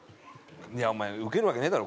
いやお前ウケるわけねえだろ